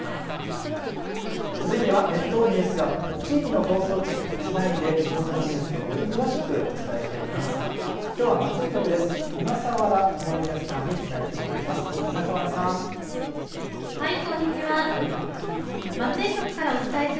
続いては列島ニュースアップ地域の放送局とつないで地元のニュースをより詳しくお伝えしていきます。